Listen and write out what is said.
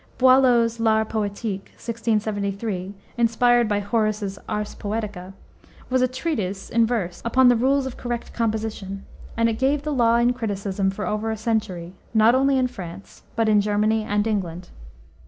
Boileau's L' Art Poetique, 1673, inspired by Horace's Ars Poetica, was a treatise in verse upon the rules of correct composition, and it gave the law in criticism for over a century, not only in France, but in Germany and England.